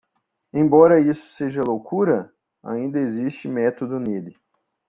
Embora isso seja loucura? ainda existe método nele